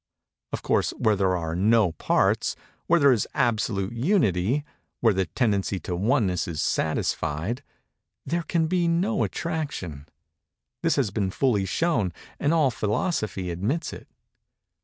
Of course where there are no parts—where there is absolute Unity—where the tendency to oneness is satisfied—there can be no Attraction:—this has been fully shown, and all Philosophy admits it.